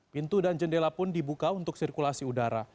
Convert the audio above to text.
pintu dan jendela pun dibuka untuk sirkulasi udara